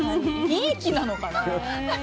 いい気なのかな？